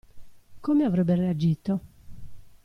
Come avrebbe reagito?